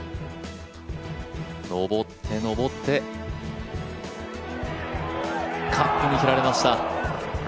上って上ってカップに嫌われました。